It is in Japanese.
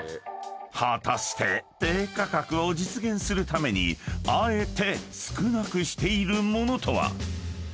［果たして低価格を実現するためにあえて少なくしているものとは？］